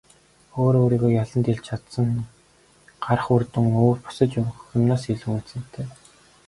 Өөрөө өөрийгөө ялж чадсанаа гарах үр дүн өөр бусад бүх юмнаас илүү үнэтэй.